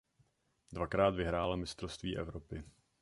Dvakrát vyhrála mistrovství Evropy.